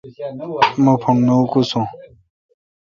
مہ پھوݨ نہ اوکوسو۔